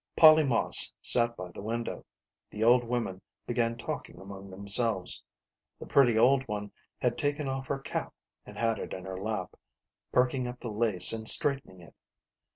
Polly Moss sat by the window. The old women began talking among themselves. The pretty old one had taken off her cap and had it in her lap, perking up the lace and straightening it.